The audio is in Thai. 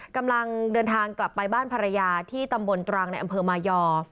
กำลังเดินทางกลับไปบ้านภรรยาที่ตำบลตรังในอำเภอมายอ